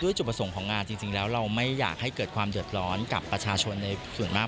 จุดประสงค์ของงานจริงแล้วเราไม่อยากให้เกิดความเดือดร้อนกับประชาชนในส่วนมาก